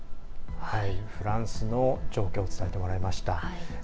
フランスの状況伝えてもらいました。